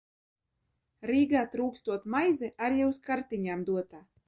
Rīgā trūkstot maize, arī uz kartiņām dotā.